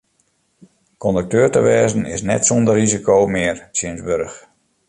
Kondukteur te wêzen is net sûnder risiko mear tsjintwurdich.